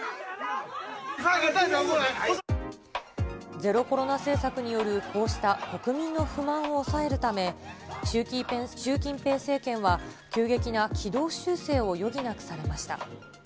ゼロコロナ政策によるこうした国民の不満を抑えるため、習近平政権は、急激な軌道修正を余儀なくされました。